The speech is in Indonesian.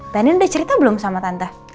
penin udah cerita belum sama tante